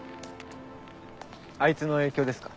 あいつの影響ですか？